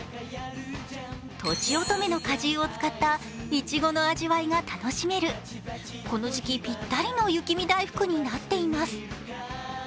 とちおとめの果汁を使ったいちごの味わいが楽しめるこの時期ぴったりの雪見だいふくになっています。